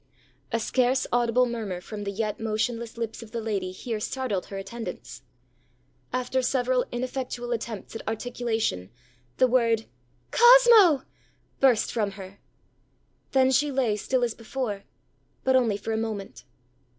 ã A scarce audible murmur from the yet motionless lips of the lady here startled her attendants. After several ineffectual attempts at articulation, the word ã_Cosmo!_ã burst from her. Then she lay still as before; but only for a moment.